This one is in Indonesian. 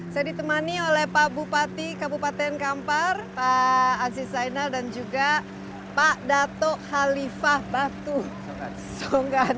saya ditemani oleh pak bupati kabupaten kampar pak aziz zainal dan juga pak dato halifah batu songgan